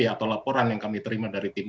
atau laporan yang kami terima dari tim